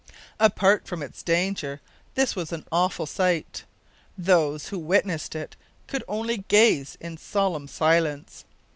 Apart from its danger, this was an awful sight. Those who witnessed it could only gaze in solemn silence.